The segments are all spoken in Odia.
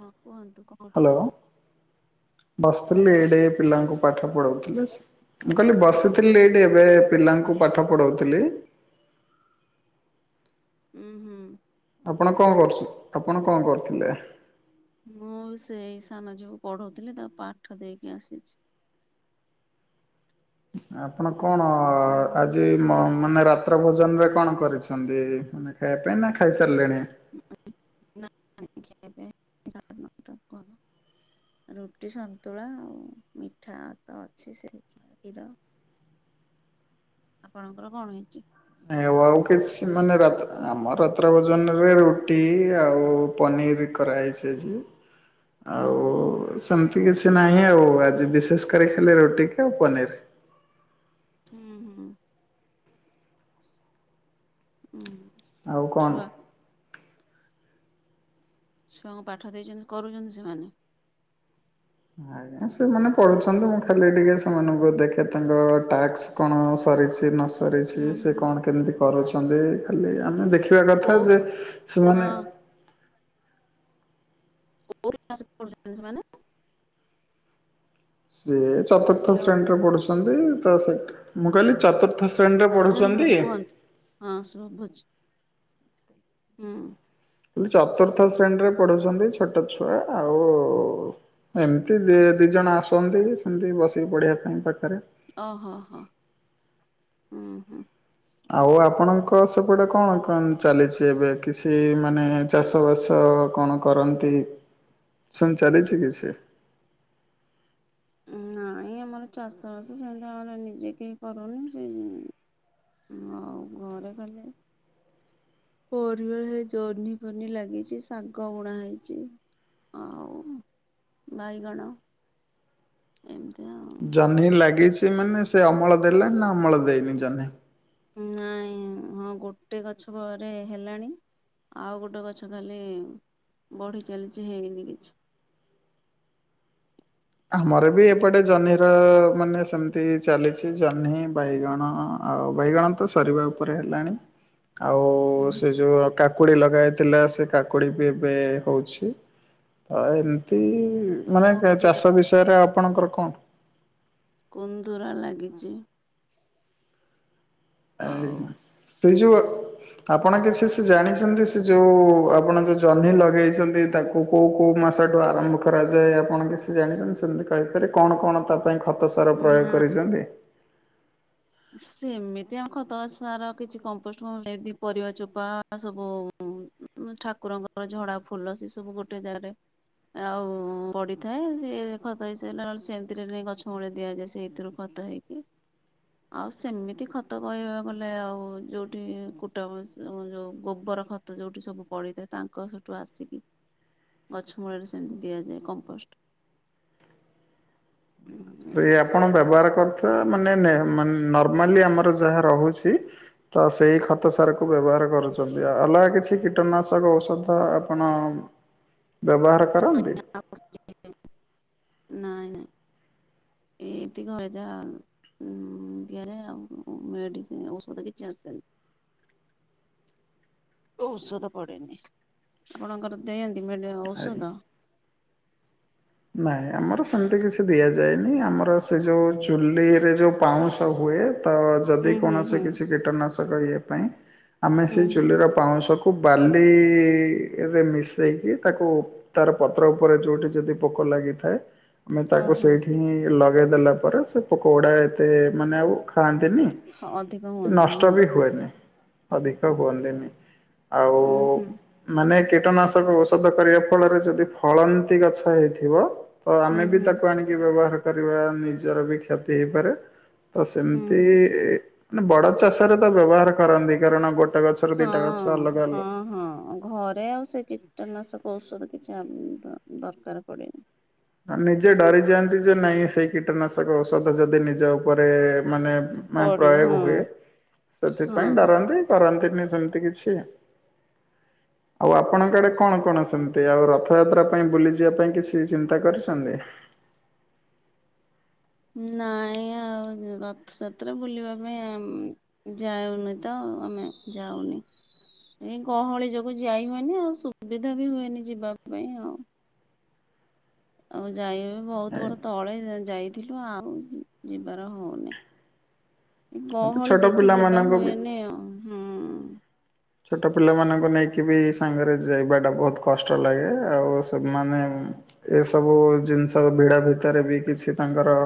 ହଁ। କୁହନ୍ତୁ କଣ କରୁ ହ୍ୟାଲୋ ବସିଥିଲି ହ୍ୟାଲୋ ଏଇଡେ ପିଲାଙ୍କୁ ପାଠ ପଢଉ ମୁଁ କହିଲି ବସିଥିଲି ଏଇଠି ଏବେ ପିଲାଙ୍କୁ ପାଠ ପଢଉଥିଲି। [unintelligible] ଉ ହୁଁ। ଆପଣ କଣ କରୁ ଆପଣ କଣ କରୁଥିଲେ। ମୁଁ ସେଇ ସାନ ଝିଅକୁ ପଢଉଥିଲି, ତାକୁ ପାଠ ଦେଇକି ଆସିଛି। [unintelligible] ଆପଣ କଣ ଉଁ ଆଜି ଲାନ ମାନେ ରାତ୍ର ଭୋଜନରେ କଣ କରିଛନ୍ତି, ମାନେ ଖାଇବା ପାଇଁ ନା ଖାଇସାରିଲେଣି? [unintelligible] ରୁଟି ସନ୍ତୁଳା ଆଉ ମିଠା ତ ଅଛି ସେ କ୍ଷୀର। ଆପଣଙ୍କର କଣ ହେଇଛି? ନା ଆଉ କିଛି ମାନେ ରାତିରେ ଆମର ରାତ୍ର ଭୋଜନ ରେ ରୁଟି ଆଉ ପନିର କରାହେଇଛି ଆଜି। ହୁଁ ଆଉ ସେମତି କିଛି ନାହିଁ ଆଉ ଆଜି ବିଶେଷ କରି ଖାଇଲି ରୁଟି କି ଆଉ ପନିର। ହୁଁ ହୁଁ। ହୁଁ ଆଉ କଣ? ଛୁଆ ଛୁଆଙ୍କୁ ପାଠ ଦେଇଛନ୍ତି କରୁଛନ୍ତି ସେମାନେ ଆଜ୍ଞା ସେମାନେ ପଢୁଛନ୍ତି ମୁଁ ଖାଲି ଟିକେ ସେମାନଙ୍କୁ ଦେଖେ ତାଙ୍କ ଟାସ୍କ କଣ ସରିଛି ନ ହୁଁ ସରିଛି ସେ ହୁଁ କଣ କେମିତି କରୁଛନ୍ତି ଖାଲି ଆମେ ଦେଖ ଦେଖିବା କଥା କୋଉ ଯେ ସେମାନେ ହଁ କୋଉ କ୍ଲାସ୍ ପଢୁଛନ୍ତି ସେମାନେ ସେ ଚତୁର୍ଥ ହ୍ୟାଲୋ ଶ୍ରେଣୀରେ ପଢୁଛନ୍ତି ତ ସେଠ ମୁଁ କହିଲି ଚତୁର୍ଥ ଶ୍ରେଣୀ। ହୁଁ ହୁଁ କୁହନ୍ତୁ ହୁଁ ଶୁଭୁଛି। ହୁଁ। ହେ ଚତୁର୍ଥ ଶ୍ରେଣୀରେ ପଢୁଛନ୍ତି ଛୋଟ ଛୁଆ ଆଉ। ଏମିତି ଦି ଜଣ ଆସନ୍ତି ସେମିତି ବସିକି ପଢିବା ପାଇଁ ପାଖରେ। ଓ ହୋ ହୋ ହୁଁ ହୁଁ। ଆଉ ଆପଣଙ୍କ ସବୁଆଡେ କଣ କଣ ଚାଲିଛି ଏବେ କିଛି ମାନେ ଚାଷ ବାସ? କଣ କରନ୍ତି ସେମି ଚାଲିଛି କି? ହଁ। ଆମର ଚାଷବାସ ସେମିତି ଆମର ନିଜେ କେହି କରୁନି ସେ ଆଉ ଘରେ ଖାଲି ପରିବାର ହେ ଜହ୍ନି ଫନି ଲାଗିଛି ଶାଗ ବୁଣା ହେଇଛି। ଆଉ ବାଇଗଣ ଏମତିଆ। ଜହ୍ନି ଲାଗିଛି ମାନେ ସେ ଅମଳ ଦେଲା ନା ଅମଳ ଦେଇନି ଜହ୍ନି? ନାଇଁ ହଁ ଗୋଟେ ଗଛ ବୋରେ ହେଲାଣି। ଆଉ ଗୋଟେ ଗଛ ଖାଲି ବଢି ଚାଲିଚି ହେଇନି କିଛି। [inaudible] ଆମର ବି ଏପଟେ ଜହ୍ନିର ମାନେ ସେମିତି ଚାଲିଛି ଜହ୍ନି ବାଇଗଣ ଆଉ ବାଇଗଣ ତ ସରିବା ଉପରେ ହେଲାଣି। ଆଉ ହୁଁ ସେ ଯୋଉ କାକ କୁଡି ଲଗାହେଇଥିଲା ସେ କାକୁଡି ବି ଏବେ ହଉଛି। ଓ ଏମିତି ହୁଁ। ମାନେ କୁନ୍ଦୁରା କେ-ଚାଷ ବିଷୟରେ ଆପଣଙ୍କର କଣ? କନ୍ଦୁର ଲାଗିଚି। ଆଜ୍ଞା ସେଇ ଯୋ ଆପଣ କିଛି ସେ ଜାଣିଛନ୍ତି ସେ ଯୋଉ ଆପଣ ଯୋଉ ଜହ୍ନି ଲଗେଇଚନ୍ତି ତାକୁ କୋଉ କୋଉ ମାସଠୁ ଆରମ୍ଭ କରାଯାଏ ଆପଣ କିଛି ଜାଣିଛନ୍ତି? ସେମତି କହିପାରିବେ କଣ କଣ ତାର ପାଇଁ ଖତ ସାର ପ୍ରୟୋଗ ନା କରିଚନ୍ତି? ସେମିତି ଆଉ ଖତ ସାର କିଛି କମ୍ପୋଷ୍ଟ ଫମ୍ପୋଷ୍ଟ ଯେତିକି ପରିବା ଚୋପା ସବୁ। ମୁଁ ଠାକୁରଙ୍କର ଝଡା ଫୁଲ ସେ ସବୁ ଗୋଟେ ଜାଗାରେ ଆଉ ପଡିଥାଏ ସେ ଖତ ହେଇସାଇଲା ନନେ ସେମିତିରେ ନେଇ ଗଛ ମୂଳେ ଦିଆଯାଏ। ସେଇଥିରୁ ଖ ତ ହେଇକିି। ଆଉ ସେମିତି ଖତ କହିବାକୁ ଗଲେ ଆଉ ଯୋଉଠି କୁଟା ପୁସ ଯୋଉ ଗୋବର ଖ ତ ଯୋଉଠି ସବୁ ପଡିଥାଏ ତାଙ୍କ ସେଠୁ ଆସିକି ଗଛ ମୂଳରେ ସେମିତି ଦିଆଯାଏ କମ୍ପୋଷ୍ଟ। ତ ମାନେ ନେହେ ନର୍ମାଲି ଆମର ଯାହା ରହୁଛି ତ ସେଇ ଖତ ସାର ବ୍ୟବହାର କରୁଛନ୍ତି, ଅଲଗା କିଛି କୀଟନାଶକ ଔଷଧ ଆପଣ ବ୍ୟବହାର କରନ୍ତି? ନାଇଁ ନାଇଁ ଏମତି ଘରେ ଯା। ଉଁ, ଦିଆଯାଏ ଆଉ ଉ, ମେଡିସି ଔଷଧ କିଛି ଆସେନି। ଔଷଧ ପଡେନି ଆପଣଙ୍କର ଦିଅନ୍ତି ମେଡି ଆଜ୍ଞା। ଔଷଧ? ନାଇଁ ଆମର ସେମିତି କିଛି ଦିଆଯାଇଏନି। ଆମର ସେ ଯୋଉ ଚୁଲିରେ ଯୋଉ ପାଉଁଶ ହୁଏ ତ ହୁଁ ଯଦି ହୁଁ ହୁଁ କୌଣସି କିଛି କୀଟନାଶକ ଇଏ ପାଇଁ ଆମେ ସେ ହୁଁ ହୁଁ। ଚୁଲିର ପାଉଁଶକୁ କୁ ବାଲି ରେ ମିଶେଇକି ତାକୁ ତାର ପତ୍ର ଉପରେ ଯୋଉଠି ଯଦି ପୋକ ଲାଗିଥାଏ ଆମେ ତାକୁ ଓହୋ ସେଇଠି ହିଁ ଲ ଗେ ଦେଲା ପରେ ସେ ପକୋଗୁଡା ଏତେ ମାନେ ଆଉ ଖାଆନ୍ତିନି, ଅଧିକ କି ହୁଅନ୍ତିନି ନଷ୍ଟ ହଁ। ବି ହୁଏନି, ଅଧିକ ହୁଅନ୍ତିନି। ଆଉ ଉଁ ହୁଁ ମାନେ କୀଟନାଶକ ଔଷଧ କରିବା ଫଳରେ ଯଦି ଫଳନ୍ତି ଗଛ ହେଇଥିବ ତ ହୁଁ ଆମେ ବି ହୁଁ ତାକୁ ଆଣିକି ବ୍ୟବହାର କରିବା ନିଜର ବି କ୍ଷତି ହେଇପାରେ। ତ ହୁଁ ସେମିତି ହୁଁ ମାନେ ବଡ ଚାଷରେ ତ ବ୍ୟବହାର କରନ୍ତି। କାରଣ ଗୋ ହଁ, ହଁ, ହଁ ଘରେ ଆଉ ସେ କି କୀଟନାଶକ ଔଷଧ କିଛି ଆମ ଦ ଦରକାର ପଡ଼େନି। ହଁ ନିଜେ ଡରିଯାଆନ୍ତି ଯେ ନାଇଁ ସେଇ କୀଟନାଶକ ଔଷଧ ଯଦି ନିଜ ଉପରେ ମାନେ ମା ପଡେ ପ୍ରୟୋଗ ହଁ। ହୁଏ ସେଥିପାଇଁ ହଁ। ଡରନ୍ତି। କରନ୍ତି ନି ସେମିତି କିଛି। ଆଉ ଆପଣଙ୍କ ଆଡେ କଣ କଣ ସେମିତି ଆଉ ରଥଯାତ୍ରା ପାଇଁ ବୁଲିଯିବା ପାଇଁ କିଛି ଚିନ୍ ତା କରିଛନ୍ତି? ନାଇଁ ଆଉ ଯ ରଥଯାତ୍ରା ବୁଲିବା ପାଇଁ ଆମ୍ ଯାଉନି ତ। ଓ ଆମେ ଯାଉନି। ଏ ଗହଳି ଯୋଗୁ ଯାଇ ହୁଏନି। ଆଉ ସୁବିଧା ବି ହୁଏନି ଯିବା ପାଇଁ ଆଉ। ଆଉ ଯାଇ ବି ବହୁତ ବର୍ଷ ତଳେ ଯାଇଥିଲୁ ଆଉ ଯିବାର ହଉନି। ଆଜ୍ଞା ଗହଳି ଛୋଟ ଦେଖି ଯିବା ପିଲାମାନଙ୍କୁ ବି ହୁଏନି ଆଉ। ହଁ। ଛୋଟ ପିଲାମାନଙ୍କୁ ନେଇକି ବି ସାଙ୍ଗରେ ଯାଇବା ଟା ବହୁତ କଷ୍ଟ ଲାଗେ। ଆଉ ସେମାନେ ଉଁ, ଏସବୁ ଜିନିଷ ଭିଡ ଭିତରେ ବି କିଛି ତାଙ୍କର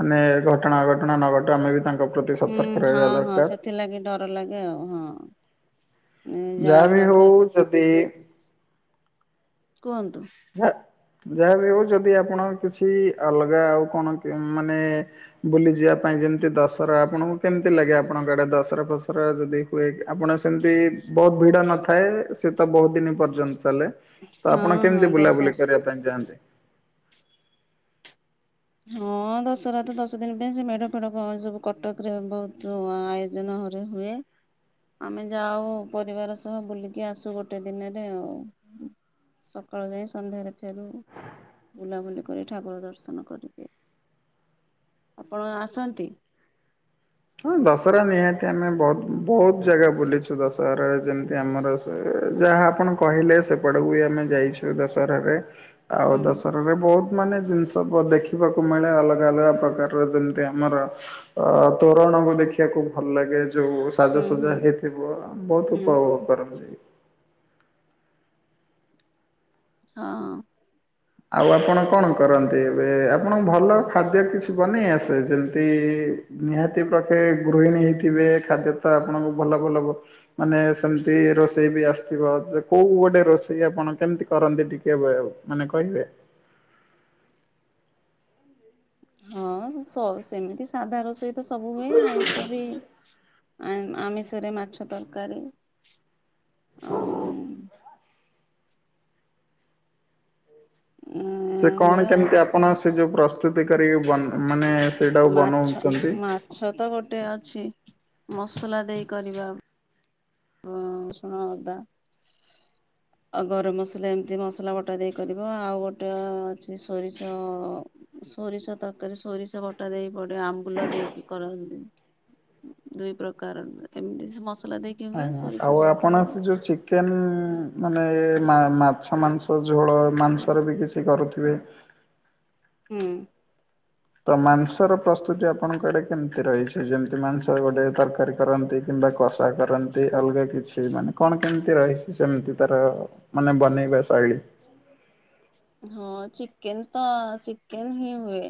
ମାନେ ଘଟଣା ଘଟଣା ନଘଟୁ ଆମେ ବି ତାଙ୍କ ପ୍ରତି ହୁଁ ସତର୍କ ହଁ ରହିବା ହଁ ଦରକାର। ସେଥିଲାଗି ଡର ଲାଗେ ଆଉ ହଁ। ଯା ଯହା ବି ହଉ ରଥ ଯଦି କୁହନ୍ତୁ? ହେ। ଯାହା ବି ହଉ ଯଦି ଆପଣ କିଛି ଅଲଗା ଆଉ କଣ ମାନେ ବୁଲିଯିବା ପା ଇଁ ଯେମିତି ଦଶରା ଆପଣଙ୍କୁ କେମିତି ଲାଗେ ଆପଣଙ୍କ ଆଡେ ଦଶରା ଫସରା ଯଦି ହୁଏ ଆପଣ ସେମତି ବହୁତ ଭିଡ ନଥାଏ ସେ ତ ବହୁତ ଦିନ ପର୍ଯ୍ୟନ୍ତ। ଚାଲେ ତ ହଁ ଆପଣ ହଁ କେମିତି ବୁଲାବୁଲି ଦଶହରା କରିବା ପାଇଁ ଯାଆନ୍ତି? ହଁ ଦଶରା ତ ଦଶ ଦିନ ପାଇଁ ସେ ମେଢ ଫେଢ କଣ ସବୁ କଟକ ରେ ବହୁତୁ ଆୟୋଜନ। ଘରେ ହୁଏ। ଆମେ ଯାଉ ପରିବାର ସହ ବୁଲିକି ଆସୁ ଗୋଟେ ଦିନରେ ଆଉ। ସକାଳୁ ଯାଇ ସନ୍ଧ୍ୟାରେ ଫେରୁ ବୁଲାବୁଲି କରି ଠାକୁର ଦର୍ଶନ କରି। ଆପଣ ଆସନ୍ତି? ହଁ ଦଶହରା ନିହାତି ଆମେ ବହୁତ ବହୁତ ଜାଗା ବୁଲିଛୁ ଦଶହରାରେ ଯେମିତି ଆମର ସେ ଯାହା ଆପଣ କହିଲେ ସେପଟକୁ ବି ଆମେ ଯାଇଛୁ ଦଶହରାରେ। ଆଉ ହୁଁ ଦଶହରା ରେ ବହୁତ ମାନେ ଜିନିଷ ସବୁ ଦେଖିବାକୁ ମିଳେ ଅଲଗା ଅଲଗା ପ୍ରକାରର ଯେମିତି ଆମର ଅ ତୋରଣକୁୁ ଦେଖିବାକୁ ଭଲ ଲାଗେ। ଯୋଉ ହୁଁ ସାଜସଜା ହୁଁ ହେଇଥିବ ବହୁତ ହୁଁ ଉପଭୋଗ ହୁଁ। କରନ୍ତି। ହଁ। ଆଉ ଆପଣ କଣ କରନ୍ତି ଏବେ ଆପଣ ଭଲ ଖାଦ୍ୟ କିଛି ବନେଇ ଆସେ ଯେମିତି ନିହାତି ପ୍ରକେ ଗୃହିଣୀ ହେଇଥିବେ ଖାଦ୍ୟ ତ ଆପଣଙ୍କୁ ଭଲ ଭଲ ମାନେ ସେମି ତି ରୋଷେଇ ବି ଆସିଥିବ କୋଉ ଗୋଟେ ରୋଷେଇ ଆପଣ କେମିତି କରନ୍ତି ଟିକେ ମାନେ କହିବେ। ହଁ ସ-ସେମିତି ସାଧା ରୋଷେଇତ ସବୁ ହୁଏ ଆଇଁଷ ବି ଆ-ଆମିଷରେ ମାଛ ତରକାରୀ ଆଉ ଉଁ ସେ ହୁଏ କଣ ଆଉ କେମିତି ଆପଣ ସେ ଯୋଉ ପ୍ରସ୍ତୁତି କରିକି-ବ ମାନେ ସେଇଟାକୁ ମାଛ ବନଉଛନ୍ତି? ମାଛ ତ ଗୋଟେ ଅ ଛି ମସଲା ଦେଇ କରିବା। ଓ ରସୁଣ ଅଦା। ଆଉ ଗରମ ମସଲା ଏମିତି ମସଲା ବଟା ଦେଇ କରିବ ଆଉ ଗୋଟେ ଅଛି ସୋରିଷ ସୋରିଷ ତରକାରୀ ସୋରିଷ ବଟା ଦେଇକି ପଡିବ ଆମ୍ବୁଲ ଦେଇକି କରନ୍ତି। ଦୁଇ ପ୍ରକାର ଏମିତି ସେ ମସଲା। ଦେଇକି ହୁଏ ଆଜ୍ଞା ସୋରିଷ ଆଉ ଦେଇକି ଆପଣ ହୁଏ। ସେ ଯୋଉ ଚିକେନ ମାନେ ମା-ମାଛ ମାଂସ ଝୋଳ ମାଂସରେ ବି କିଛି କରୁଥିବେ? ହୁଁ। ତ ମାଂସର ପ୍ରସ୍ତୁତି ଆପଣଙ୍କ ଆଡେ କେମିତି ରହିଛି ଯେମିତି ମାଂସ ଗୋଟେ ତରକାରୀ କରନ୍ତି କି ବା କଷା କରନ୍ତି ଅଲଗା କିଛି ମାନେ କଣ କେମତି ରହିଛି? ସେମିତି ତାର ମାନେ ବନେଇବା। ଶୈଳୀ ହଁ ଚିକେନ ତ ଚିକେନ ହିଁ ହୁଏ।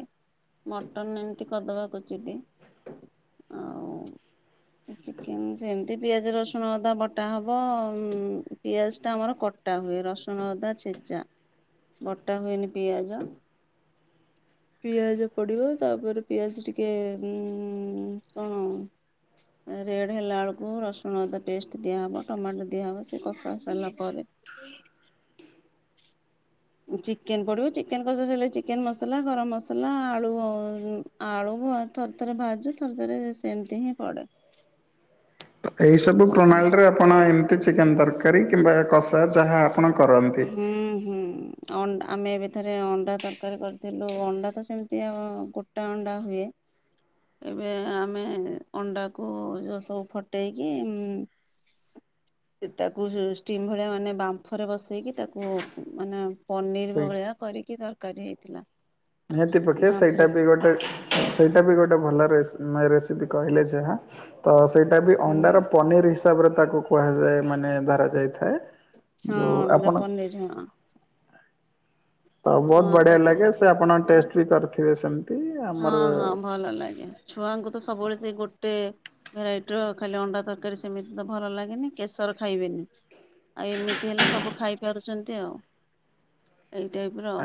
ମଟନ ଏମିତି କରିଦବାକୁଚିଦି ଆଉ ଚିକେନ ସେମିତି ପିଆଜ ରସୁଣ ଅଦା ବଟା ହବ ପିଆଜ ଟା ଆମର କ ଟା ହୁଏ ରସୁଣ ଅଦା ଛେଚା ବଟା ହୁଏନି ପିଆଜ। ପିଆଜ ପଡିବ ତାପରେ ପିଆଜ ଟିକେ ଉ କଣ? ରେଡ ହେଲା ଏଳୁକୁ ରସୁଣ ଅଦା ପେଷ୍ଟ ଦିଆହବ ଟମାଟୋ ଦିଆହବ ସେ କଷା ସାରିଲା ପରେ। ହ ଚିକେନ ପଡିବ ଚିକେନ କଷା ସଇଲେ ଚିକେନ ମସଲା ଗରମ ମସଲା ଆଳୁ ଆଳୁ ଆଉ ଥରେ ଥରେ ଭାଜୁ ଥରେ ଥରେ ସେମିତି ହିଁ ପଡେ। ଏଇ ସବୁ କଷି ପ୍ରଣାଳି କଷି ରେ ଆପଣ ଏମିତି ଚିକେନ ତରକାରୀ କିମ୍ବା କସ ସାର୍ ଯାହା ଆପଣ କରନ୍ତି। ହୁଁ ହୁଁ ଅଣ୍ଡା ଆମେ ଏବେଥରେ ଅଣ୍ଡା ତରକାରୀ କରିଥିଲୁ ଅଣ୍ଡା ତ ସେମିତି ଆଉ ଗୋଟା ଅଣ୍ଡା ହୁଏ। ଏବେ ଆମେ ଅଣ୍ଡାକୁ ଯୋଉ ସବୁ ଫଟେଇକି ଉ ତାକୁ ଷ୍ଟିମ ଭଳିଆ ମାନେ ବା ବାଫରେ ବସେଇକି ତାକୁ ମାନେ ପନିର ସେଇ ଭଳିଆ କରିକି ତରକାରୀ ହେଇଥିଲା। ନିହାତି ପକ୍ଷେ ବାମ୍ଫରେ ସେଇଟା ବି ଗୋଟେ ସେଇଟା ବି ଗୋଟେ ଭଲ ରେସି ରେସିପି କହିଲେ ଯାହା ତ ସେଇଟା ବି ହୁଁ ଅଣ୍ଡାର ପନିର ସି ତାପରେ ତାକୁ କୁହାଯାଏ ମାନେ ଧରା ଯାଇଥାଏ। ହଁ ତା ପନିରି ହଁ ତ ବହୁତ ହଁ ବଢିଆ ତାକୁ ଲାଗେ ସେ ଆପଣ ଟେଷ୍ଟ ବି କରିଥିବେ ସେମିତି। ହଁ ଆମର ହଁ ଭଲ ଲାଗେ ଛୁଆଙ୍କୁ ତ ସବୁବେଳେ ସେଇ ଗୋଟେ ଭେରାଇଟିର ଖାଲି ଅଣ୍ଡା ତରକାରୀ ସେମିତି ତ ଭଲ ଲାଗେନି କେଶର ଖାଇବେନି। ଆଉ ଏମିତି ହେଲେ ସବୁ ଖାଇପାରୁଛନ୍ତି ଆଉ ଏଇଟାଇପ ର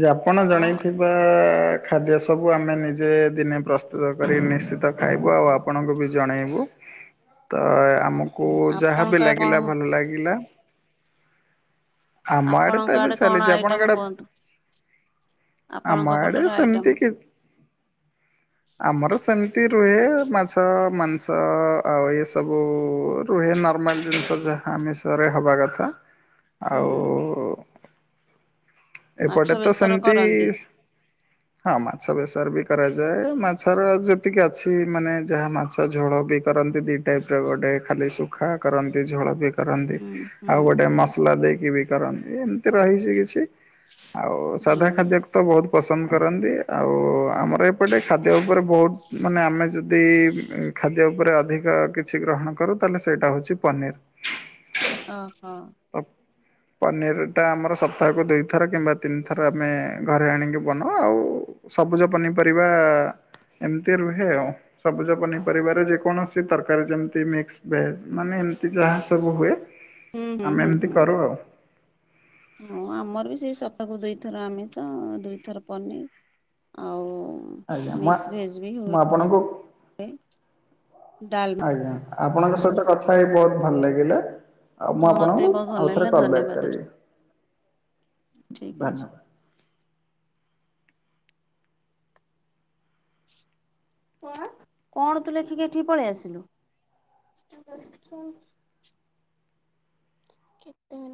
ଯେ ଆପଣ ଆଉ ଜଣେଇଥିବା ଖାଦ୍ୟ ସବୁ ଆମେ ନିଜେ ଦିନେ ପ୍ରସ୍ତୁତ କରି ନିଶ୍ଚିତ ଖାଇବୁ ଆଉ ଆପଣଙ୍କୁ ବି ଜଣେଇବୁ। [inaudible] ତ ଆମକୁ ଉଁ, ଆପଣଙ୍କ ଯାହାବି ଆଡେ କଣ ଲାଗିଲା ଭଲ ଲାଗିଲା। ଆମ ଆଡେ ଆପଣଙ୍କ ତ ଏବେ କଣ ଚାଲିଛି ଆଇଟମ ଆପଣଙ୍କଆଡେ କୁହନ୍ତୁ? ଆପଣଙ୍କ ଆମଆଡେ ପଟର ଆଇଟମ ସେମିତି କି ଆମର ସେମିତି ରୁ ରୁହେ ମାଛ ମାଂସ ଆଉ ଏ ସବୁ ରୁହେ ନର୍ମାଲ ଜିନିଷ ଯାହା। ଆମିଷରେ ହେବା କଥା ଆଉ ହୁଁ ମାଛ ଏପଟେ ତ ବେସର ସେମିତି କରନ୍ତି। ହଁ ମାଛ ବେସର ବି। କରାଯାଏ ମାଛର ଯେତିକି ଅଛି ମାନେ ଯାହା ମାଛ ଝୋଳ ବି କରନ୍ତି ଦି ଟାଇପ ର ଗୋଟେ ଖାଲି ସୁଖା କରନ୍ତି ଝୋଳ ବି କରନ୍ତି ହୁଁ ଆଉ ହୁଁ ଗୋଟେ ହୁଁ ମସଲା ଦେଇକି ବି କରନ୍ତି ଏମିତି ରହିଛି କିଛି। ଆଉ ସାଧା ହୁଁ ଖାଦ୍ୟକୁ ତ ବହୁତ। ପସନ୍ଦ କରନ୍ତି ଆଉ ଆମର ଏପଟେ ଖାଦ୍ୟ ଉପରେ ବହୁତ ମାନେ ଆମେ ଯଦି ଖାଦ୍ୟ ଉପରେ ଅଧିକ କିଛି ଗ୍ରହଣ କରୁ ତାହେଲେ ସେଇଟା ହଉଛି ପନିର। ଓହୋ ଅ ପନିର ଟା ଆମର ସପ୍ତାହକୁ ଦୁଇଥର କିମ୍ବା ତିନିଥର ଆମେ ଘରେ ଆଣିକି ବନାଉ ଆଉ ସବୁଜ ପନିପରିବା ଏମିତି ରୁହେ ଆଉ ସବୁଜ ପନିପରିବାରେ ଯେକୌଣସି ତରକାରୀ ଯେମତି ମିକ୍ସ ଭେଜ ମାନେ ଏମିତି ଯାହା ସବୁ ହୁଏ ହୁଁ ହୁଁ ଆମେ ହୁଁ ଏମିତି ହୁଁ। କରୁ ଆଉ ହଁ ଆମର ବି ସେଇ ସପ୍ତାକୁ ଦୁଇଥର ଆମିଷ ଦୁଇଥର ପନିର ଆଉ। ଆଜ୍ଞା ମୁଁ ମିକ୍ସ ଭେଜ ବି ମୁଁ ହୁଏ। ଆପଣଙ୍କୁ ଡାଲମା ଆଜ୍ଞା। ଆପଣଙ୍କ ସହିତ କଥା ହେଇ ବହୁତ ଭଲ ଲାଗିଲା। ଆଉ ମୁଁ ହଁ ମତେ ବି ଆପଣଙ୍କୁ ବହୁତ ଭଲ ଆଉ ଥରେ ଲାଗିଲା କଲ୍ ବ୍ୟାକ୍ ଧନ୍ୟବାଦ କରିବି। ଠିକ ଅଛି। ଧନ୍ୟବାଦ। କଣ କଣ ତୁ ଲେଖିକି ଏଠି ପଳେଇ ଆସିଲୁ। [unintelligible] ଆଛା କେତେଳୁ